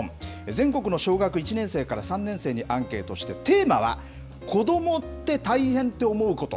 全国の小学１年生から３年生にアンケートして、テーマは、子どもってたいへんって思うこと。